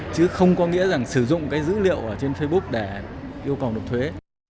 chứ không có nghĩa sử dụng dữ liệu trên facebook để yêu cầu được thuế